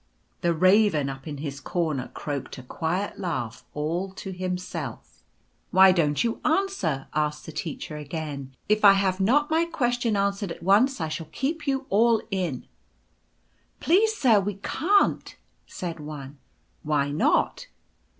The Raven up in his corner croaked a quiet laugh all to himself. 1 1 8 A Lost Hour. " Why don't you answer ?" asked the Teacher again. " If I have not my question answered at once, I shall keep you all in." " Please, sir, we can't," said one. " Why not